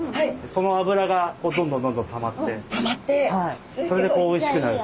その脂がどんどんどんどんたまってそれでこうおいしくなる。